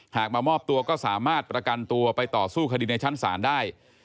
มามอบตัวก็สามารถประกันตัวไปต่อสู้คดีในชั้นศาลได้